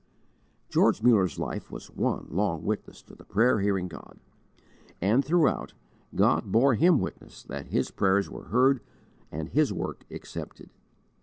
George Muller's life was one long witness to the prayer hearing God; and, throughout, God bore him witness that his prayers were heard and his work accepted.